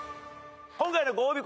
今回のご褒美